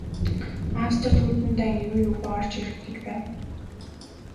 Австрид Хүйтэн дайн юу юугүй орж ирэх гэж байв.